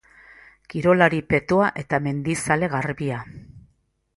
Kirolari petoa eta mendizale garbia.